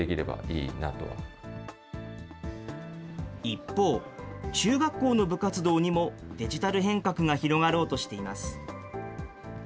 一方、中学校の部活動にも、デジタル変革が広がろうとしています。